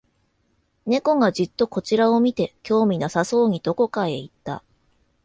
猫がじっとこちらを見て、興味なさそうにどこかへ行った